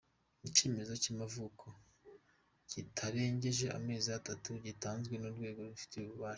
Icyemezo cy’amavuko kitarengeje amezi atatu gitanzwe n’urwego rubifitiye ububasha